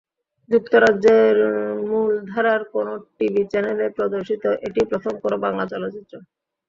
যুক্তরাজ্যের মূলধারার কোনো টিভি চ্যানেলে প্রদর্শিত এটিই প্রথম কোনো বাংলা চলচ্চিত্র।